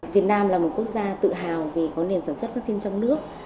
việt nam là một quốc gia tự hào vì có nền sản xuất vắc xin trong nước